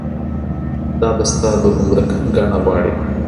دا بسته د ګمرک ګڼه غواړي.